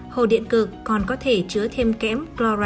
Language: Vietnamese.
hồ điện cực còn có thể chứa thêm kẽm